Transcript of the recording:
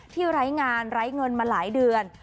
ไร้งานไร้เงินมาหลายเดือน